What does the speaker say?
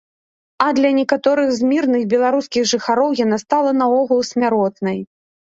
А для некаторых з мірных беларускіх жыхароў яна стала наогул смяротнай.